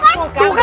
nabi bait juga